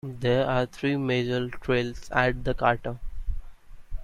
There are three major trails at the crater.